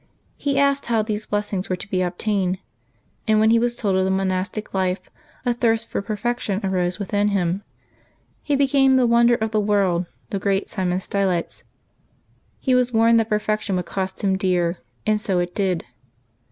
He asked how these blessings were to be obtained, and when he was told of the monastic life a thirst for perfection arose within him. He became the wonder of the world, the great St. Simeon Stylites. He was warned that per fection would cost him dear, and so it did.